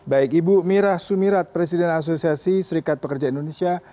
baik ibu mira sumirat presiden asosiasi serikat pekerja indonesia